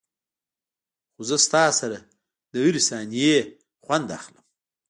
خو زه تاسره دهرې ثانيې نه خوند اخلم.